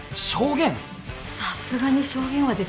さすがに証言はできませんよ。